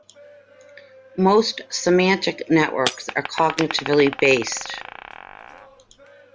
Most semantic networks are cognitively based.